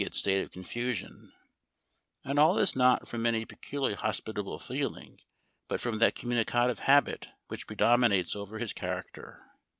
263 its state of confusion ; and all this not from any peculiarly hospitable feeling, but from that com municative habit which predominates over his character.